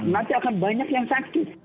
nanti akan banyak yang sakit